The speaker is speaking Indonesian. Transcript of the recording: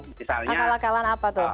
akal akalan apa tuh